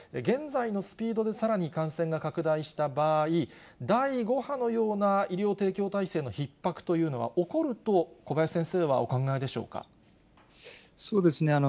現在のスピードでさらに感染が拡大した場合、第５波のような医療提供体制のひっ迫というのは起こると、小林先そうですね。